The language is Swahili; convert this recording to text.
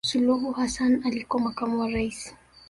suluhu hassan alikuwa makamu wa raisi